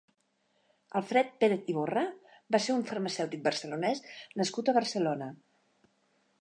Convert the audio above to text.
Alfred Pérez-Iborra va ser un farmacèutic barcelonès nascut a Barcelona.